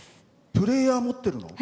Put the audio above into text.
プレーヤー持ってるの？